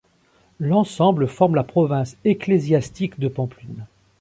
L'ensemble forme la province ecclésiastique de Pampelune.